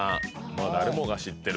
もう誰もが知ってる。